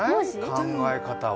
考え方は。